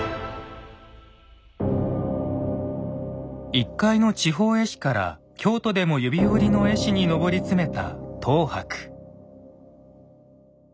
一介の地方絵師から京都でも指折りの絵師に上り詰めた等伯。